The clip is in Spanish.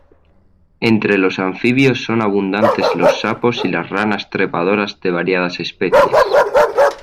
Entre los anfibios son abundantes los sapos y las ranas trepadoras de variadas especies.